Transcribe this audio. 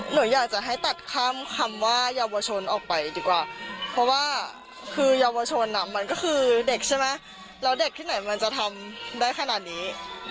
หนูอยากจะให้ตัดข้ามคำว่าเยาวชนออกไปดีกว่าเพราะว่าคือเยาวชนมันก็คือเด็กใช่ไหมแล้วเด็กที่ไหนมันจะทำได้ขนาดนี้